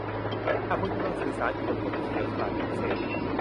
หากคุณกำลังสื่อสารอยู่กับคนที่เฉลียวฉลาดเป็นพิเศษ